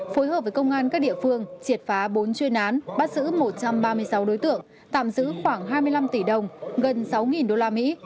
phối hợp với công an các địa phương triệt phá bốn chuyên án bắt giữ một trăm ba mươi sáu đối tượng tạm giữ khoảng hai mươi năm tỷ đồng gần sáu đô la mỹ